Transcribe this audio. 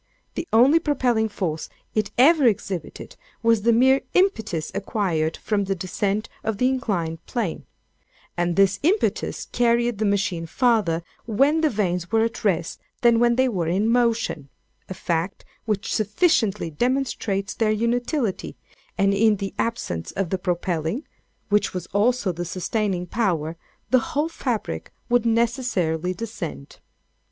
The only propelling force it ever exhibited, was the mere impetus acquired from the descent of the inclined plane; and this impetus carried the machine farther when the vanes were at rest, than when they were in motion—a fact which sufficiently demonstrates their inutility; and in the absence of the propelling, which was also the sustaining power, the whole fabric would necessarily descend.